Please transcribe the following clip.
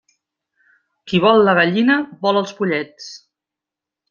Qui vol la gallina, vol els pollets.